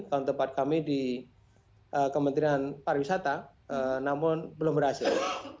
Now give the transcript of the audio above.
kontepat kami di kementerian pariwisata namun belum berhasil